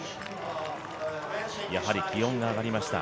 やはり気温が上がりました。